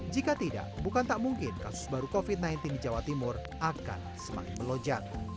jika tidak bukan tak mungkin kasus baru covid sembilan belas di jawa timur akan semakin melonjak